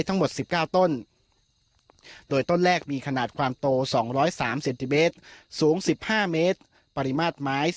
ทั้งหมด๑๙ต้นโดยต้นแรกมีขนาดความโต๒๐๓เซนติเมตรสูง๑๕เมตรปริมาตรไม้